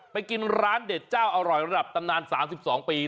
กินร้านเด็ดเจ้าอร่อยระดับตำนาน๓๒ปี